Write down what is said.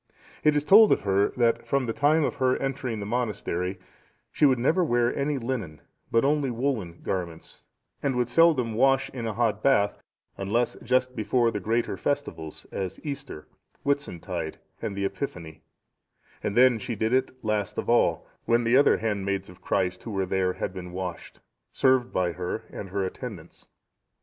It is told of her that from the time of her entering the monastery, she would never wear any linen but only woollen garments, and would seldom wash in a hot bath, unless just before the greater festivals, as Easter, Whitsuntide, and the Epiphany, and then she did it last of all, when the other handmaids of Christ who were there had been washed, served by her and her attendants.